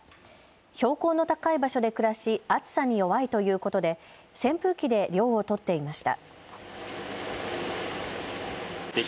標高の高い場所で暮らし暑さに弱いということで扇風機で涼をとっていました。